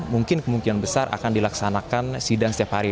mungkin kemungkinan besar akan dilaksanakan sidang setiap hari